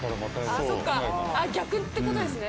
そうか逆って事ですね